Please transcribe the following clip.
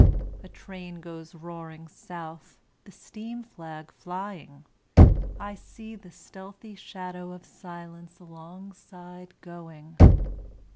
A train goes roaring south, The steam flag flying;I see the stealthy shadow of silenceAlongside going.